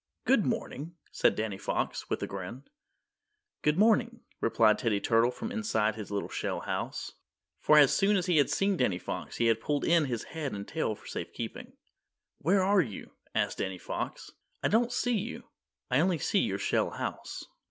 "Good morning," said Danny Fox, with a grin. "Good morning," replied Teddy Turtle from inside his little shell house, for as soon as he had seen Danny Fox he had pulled in his head and tail for safe keeping. "Where are you?" asked Danny Fox. "I don't see you; I only see your shell house."